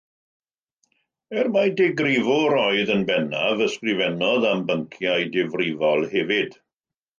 Er mai digrifwr oedd yn bennaf, ysgrifennodd am bynciau difrifol hefyd.